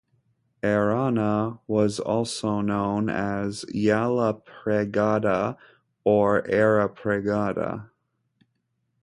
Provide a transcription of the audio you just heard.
Errana was also known as Yellapregada or Errapregada.